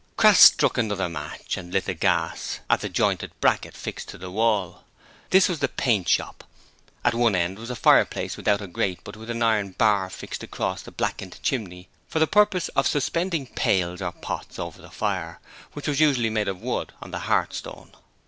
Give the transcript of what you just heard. Crass struck another match and lit the gas at the jointed bracket fixed to the wall. This was the paint shop. At one end was a fireplace without a grate but with an iron bar fixed across the blackened chimney for the purpose of suspending pails or pots over the fire, which was usually made of wood on the hearthstone.